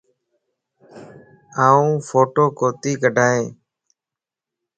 آن ڦوٽو ڪوتي ڪڊائين.